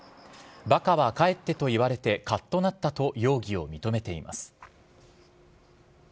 ばかは帰ってと言われて、かっとなったと容疑を認めています。